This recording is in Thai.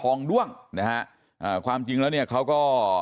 งด้วงนะฮะอ่าความจริงแล้วเนี่ยเขาก็